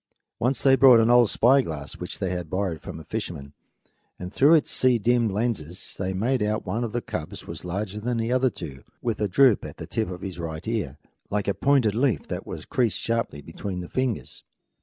Once they brought an old spyglass which they had borrowed from a fisherman, and through its sea dimmed lenses they made out that one of the cubs was larger than the other two, with a droop at the tip of his right ear, like a pointed leaf that has been creased sharply between the fingers.